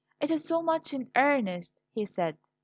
"It is so much in earnest," he said.